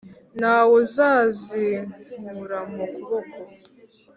Nta wuzazinkura mu kuboko